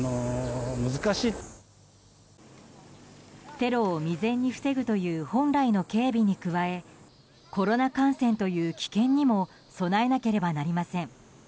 テロを未然に防ぐという本来の警備に加えコロナ感染という危険にも備えなければなりません。